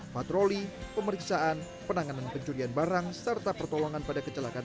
patroli pemeriksaan penanganan pencurian barang serta pertolongan pada kecelakaan